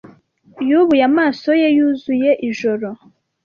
yubuye amaso ye yuzuye ijoro